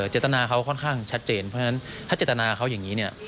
เจตนาเขาค่อนข้างชัดเจนเพราะฉะนั้นถ้าเจตนาเขาอย่างนี้เนี่ย